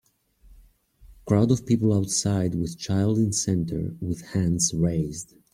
Crowd of people outside with child in center with hands raised.